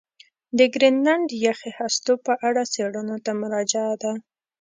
د ګرینلنډ یخي هستو په اړه څېړنو ته مراجعه ده.